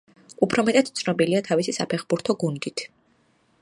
უფრო მეტად ცნობილია თავისი საფეხბურთო გუნდით.